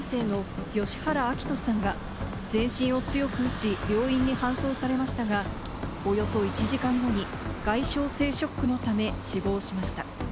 この事故で自転車に乗っていた中学２年生の吉原暁冬さんが全身を強く打ち、病院に搬送されましたが、およそ１時間後に外傷性ショックのため死亡しました。